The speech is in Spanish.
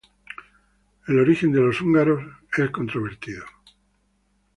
El origen de los húngaros es controvertido.